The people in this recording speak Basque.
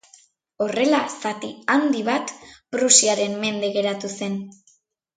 Horrela zati handi bat Prusiaren mende geratu zen.